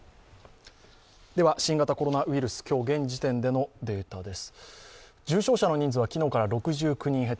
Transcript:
新型コロナウイルス、今日現時点でのデータです。